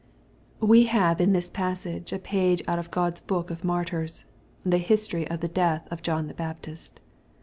We have in this passage a page out of Q^od's book of martyrs — ^the history of the death of John the Baptist.